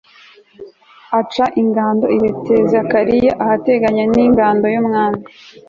aca ingando i betizakariya, ahateganye n'ingando y'umwami